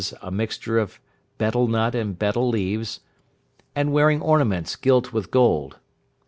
_, a mixture of betel nut and betel leaves; and wearing ornaments gilt with gold.